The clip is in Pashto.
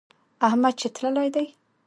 احمد چې تللی دی.